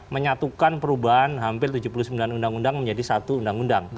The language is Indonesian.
menyatukan perubahan hampir tujuh puluh sembilan undang undang menjadi satu undang undang